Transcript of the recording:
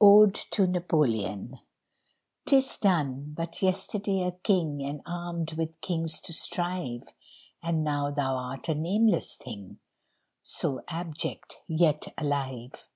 ODE TO NAPOLEON Tis done but yesterday a King, And armed with Kings to strive; And now thou art a nameless thing, So abject yet alive!